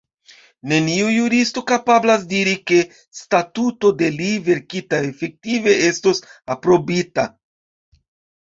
Neniu juristo kapablas diri, ke statuto de li verkita efektive estos aprobita.